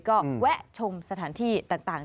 ก็แวะชมสถานที่ต่าง